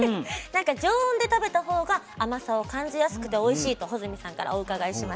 常温で食べた方が甘さを感じやすくておいしいと穂積さんからお伺いしました。